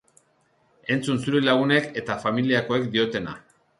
Entzun zure lagunek eta familiakoek diotena.